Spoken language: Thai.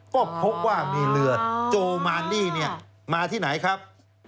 ก็พบว่ามีเรือโจมานนี่มาที่ไหนครับ